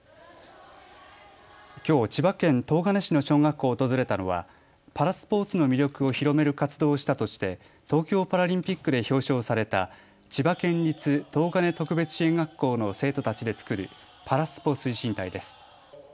きょう千葉県東金市の小学校を訪れたのはパラスポーツの魅力を広める活動をしたとして東京パラリンピックで表彰された千葉県立東金特別支援学校の生徒たちで作るパラスポ推進隊です。